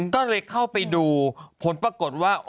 ก็เลยเข้าไปดูผลปรากฏว่า